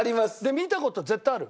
見た事絶対ある？